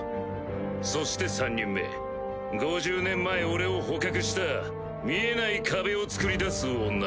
そして３人目５０年前俺を捕獲した見えない壁を作り出す女。